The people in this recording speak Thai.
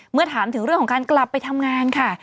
เมื่อถามถึงเรื่องของการกลับไปทำงานค่ะ